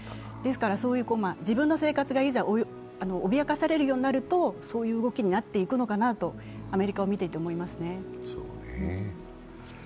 そういう自分の生活がいざ、脅かされるようになるとそういう動きになっていくのかなとアメリカを見て思いますね。